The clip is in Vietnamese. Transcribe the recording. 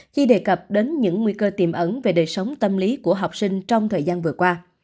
khi đề cập đến những nguy cơ tiềm ẩn về đời sống tâm lý của học sinh trong thời gian vừa qua